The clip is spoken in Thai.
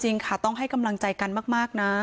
จริงค่ะต้องให้กำลังใจกันมากนะ